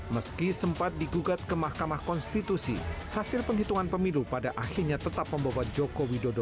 meski sempat digugat ke mahkamah konstitusi hasil penghitungan pemilu pada akhirnya tetap membawa joko widodo